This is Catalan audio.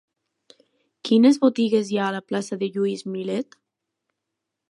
Quines botigues hi ha a la plaça de Lluís Millet?